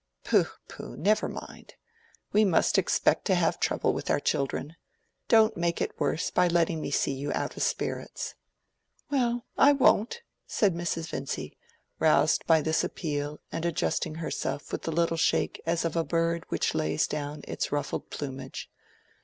"Pooh, pooh, never mind! We must expect to have trouble with our children. Don't make it worse by letting me see you out of spirits." "Well, I won't," said Mrs. Vincy, roused by this appeal and adjusting herself with a little shake as of a bird which lays down its ruffled plumage.